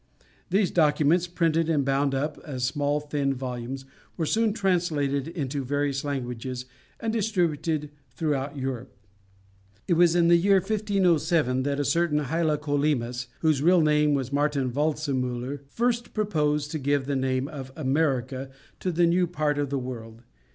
These documents, printed and bound up as small thin volumes, were soon translated into various languages and distributed throughout Europe. It was in the year 1507 that a certain Hylacolymus, whose real name was Martin Waldtzemuller, first proposed to give the name of America to the new part of the world.